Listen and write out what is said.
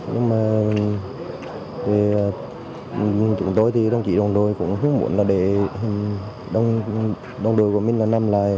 nhưng mà chúng tôi thì đồng chí đồng đội cũng không muốn là để đồng đội của mình là nằm lại